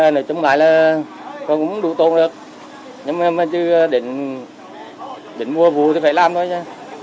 nói chung lại là con cũng đủ tôn được nhưng mà chứ định mua vừa thì phải làm thôi nha